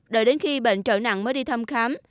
đợi đến khi bệnh trở nặng mới đi thăm khám